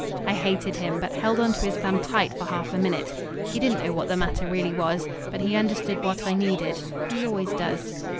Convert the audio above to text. I hated him, but held on to his thumb tight for half a minute. He didn't know what the matter really was, but he understood what I needed. He always does.